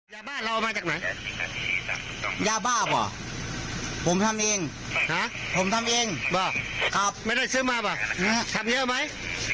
ยาบาลเราเอามาจากไหนยาบาลเหรอผมทำเองครับไม่ได้ซื้อมาเหรอทำเยอะไหม